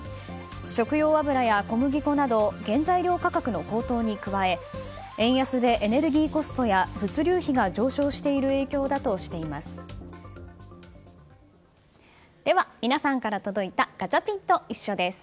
食用油や小麦粉など原材料価格の高騰に加え円安でエネルギーコストや物流費が上昇している影響だとしています。